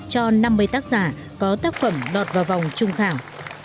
cho năm mươi tác giả có tác phẩm đọt vào vòng trung khảo